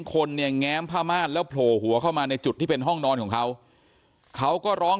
คนเนี่ยแง้มผ้าม่านแล้วโผล่หัวเข้ามาในจุดที่เป็นห้องนอนของเขาเขาก็ร้อง